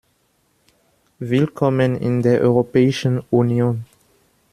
Willkommen in der Europäischen Union!